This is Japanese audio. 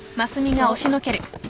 あっ。